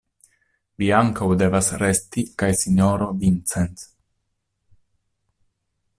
Vi ankaŭ devas resti, kaj sinjoro Vincent.